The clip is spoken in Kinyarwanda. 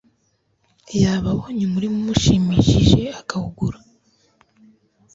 yaba abonye umurima umushimishije akawugura